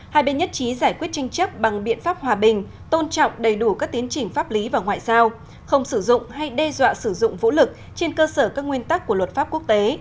hai bên nhất trí giải quyết tranh chấp bằng biện pháp hòa bình tôn trọng đầy đủ các tiến trình pháp lý và ngoại giao không sử dụng hay đe dọa sử dụng vũ lực trên cơ sở các nguyên tắc của luật pháp quốc tế